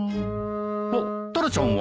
あっタラちゃんは？